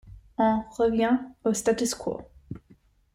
On revient au statu quo.